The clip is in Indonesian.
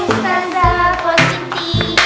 assalamualaikum ustadzah positi